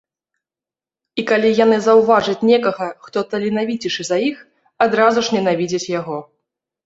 І калі яны заўважаць некага, хто таленавіцейшы за іх, адразу ж ненавідзяць яго!